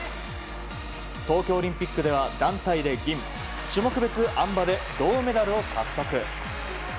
東京オリンピックでは団体で銀種目別あん馬で銅メダルを獲得。